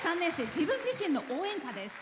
自分自身の応援歌です。